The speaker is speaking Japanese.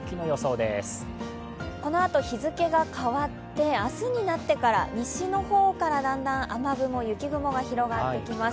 このあと日付が変わって明日になってから西の方からだんだん雨雲、雪雲が広がってきます。